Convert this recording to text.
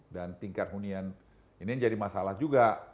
dan tingkat hunian ini jadi masalah juga